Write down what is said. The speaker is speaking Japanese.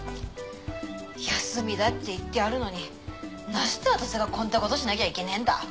休みだって言ってあるのになして私がこんたごとしなきゃいげねえんだ？